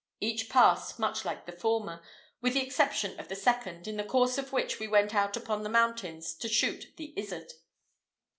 Each passed much like the former, with the exception of the second, in the course of which we went out upon the mountains to shoot the izzard.